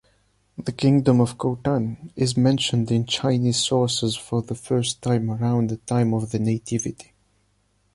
The Kingdom of Khotan is mentioned in Chinese sources for the first time around the time of the Nativity.